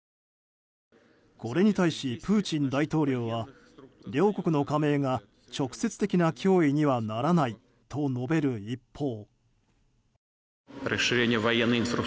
これに対しプーチン大統領は両国の加盟が直接的な脅威にはならないと述べる一方。